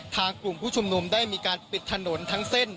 กลุ่มผู้ชุมนุมได้มีการปิดถนนทั้งเส้น